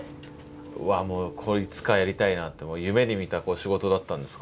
うわっもうこれいつかやりたいなって夢にみた仕事だったんですか？